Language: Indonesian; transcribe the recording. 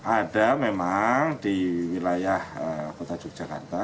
ada memang di wilayah kota yogyakarta